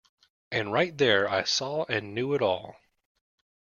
And right there I saw and knew it all.